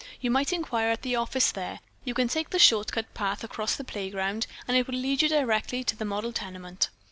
You might inquire at the office there. You can take the short cut path across the playground and it will lead you directly to the model tenement."